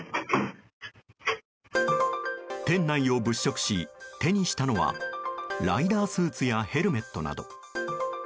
店内を物色し、手にしたのはライダースーツやヘルメットなど。